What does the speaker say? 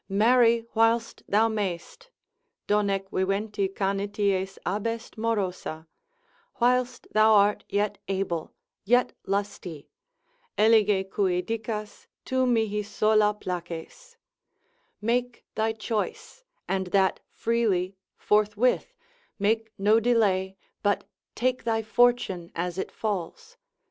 Marry whilst thou mayst, donec viventi canities abest morosa, whilst thou art yet able, yet lusty, Elige cui dicas, tu mihi sola places, make thy choice, and that freely forthwith, make no delay, but take thy fortune as it falls.